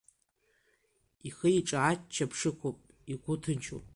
Ихиҿы аччаԥшь ықәуп, игәы ҭынчуп.